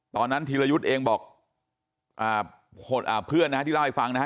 ธีรยุทธ์เองบอกเพื่อนนะฮะที่เล่าให้ฟังนะฮะ